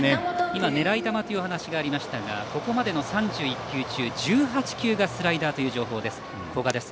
今、狙い球というお話がありましたがここまでの３１球中１８球がスライダーという情報の古賀です。